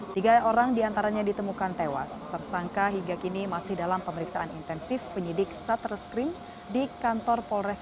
tiga orang diantaranya ditemukan tewas tersangka hingga kini masih dalam pemeriksaan intensif penyidik satreskrim di kantor polres